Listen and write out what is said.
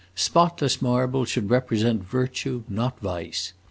Spotless marble should represent virtue, not vice!"